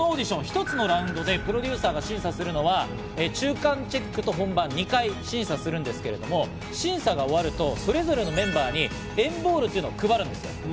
このオーディション、一つのラウンドでプロデューサーが審査するのは中間チェックと本番、２回審査するんですけれども、審査が終わると、それぞれのメンバーに＆ＢＡＬＬというのを配るんです。